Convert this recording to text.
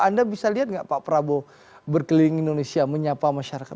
anda bisa lihat nggak pak prabowo berkeliling indonesia menyapa masyarakat